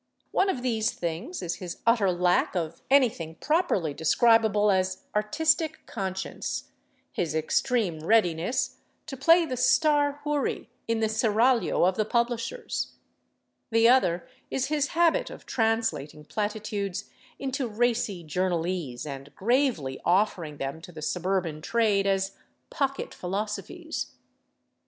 One of these things is his utter lack of anything properly describable as artistic conscience—his extreme readiness to play the star houri in the seraglio of the publishers; the other is his habit of translating platitudes into racy journalese and gravely offering them to the suburban trade as "pocket philosophies."